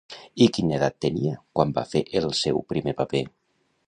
I quina edat tenia quan va fer el seu primer paper?